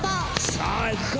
さあいくか。